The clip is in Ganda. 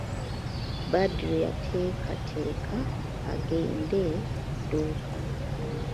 Badru yateekateeka agende ku dduuka.